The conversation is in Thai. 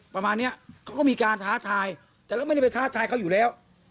ประมาณนี้เขาก็มีการท้าทายแต่เราไม่ได้ไปท้าทายเขาอยู่แล้ว